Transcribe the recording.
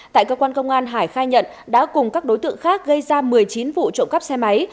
tại cơ quan công an hải khai nhận đã cùng các đối tượng khác gây ra một mươi chín vụ trộm cắp xe máy